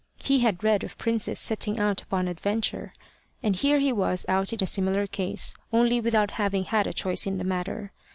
He had read of princes setting out upon adventure; and here he was out in similar case, only without having had a choice in the matter.